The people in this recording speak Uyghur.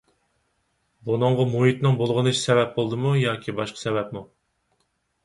بۇنىڭغا مۇھىتنىڭ بۇلغىنىشى سەۋەب بولدىمۇ ياكى باشقا سەۋەبمۇ؟